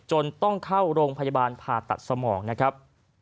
จนต้องเข้าโรงพยาบาลผ่าตัดสมองนะครับ